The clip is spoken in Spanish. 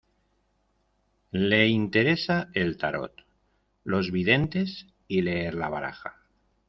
Le interesa el Tarot, los videntes y leer la baraja.